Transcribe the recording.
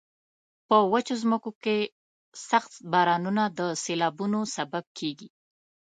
په وچو ځمکو کې سخت بارانونه د سیلابونو سبب کیږي.